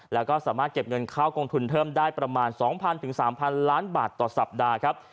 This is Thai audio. แล้วก็สามารถเก็บเงินเข้ากองทุนเพิ่มได้ประมาณ๒๐๐๓๐๐ล้านบาทต่อสัปดาห์ครับ